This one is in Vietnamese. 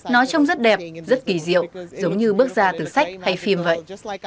nó trông rất đẹp rất kỳ diệu giống như bước ra từ sách hay phim vậy